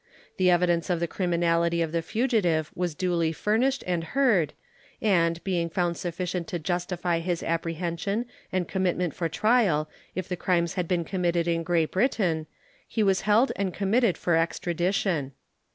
The evidence of the criminality of the fugitive was duly furnished and heard, and, being found sufficient to justify his apprehension and commitment for trial if the crimes had been committed in Great Britain, he was held and committed for extradition.